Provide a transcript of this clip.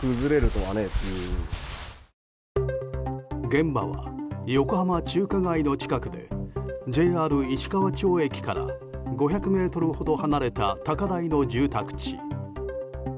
現場は横浜中華街の近くでＪＲ石川町駅から５００ｍほど離れた高台の住宅地。